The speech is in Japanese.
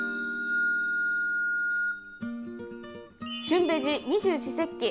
「旬ベジ二十四節気」。